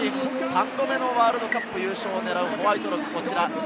３度目のワールドカップ優勝を狙うホワイトロック。